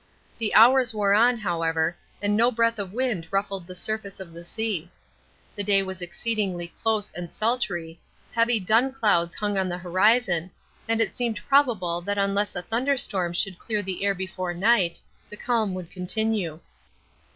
The hours wore on, however, and no breath of wind ruffled the surface of the sea. The day was exceedingly close and sultry, heavy dun clouds hung on the horizon, and it seemed probable that unless a thunder storm should clear the air before night, the calm would continue.